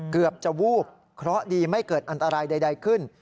เกือบจะวูบเคราะห์ดีไม่เกิดอันตรายใดขึ้น